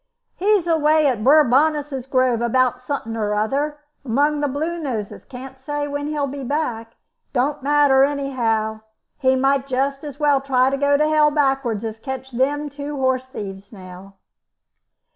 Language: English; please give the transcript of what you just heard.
"He's away at Bourbonnais' Grove, about suthin' or other, among the Bluenoses; can't say when he'll be back; it don't matter anyhow. He might just as well try to go to hell backwards as catch them two horse thieves now."